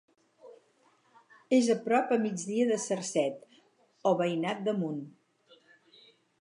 És a prop a migdia de Cercet, o Veïnat d'Amunt.